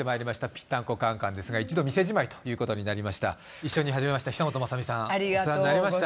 「ぴったんこカン・カン」ですが一度店じまいということになりました一緒に始めました